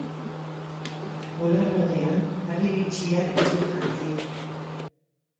Bular aldean harribitxiak ditu jantziak.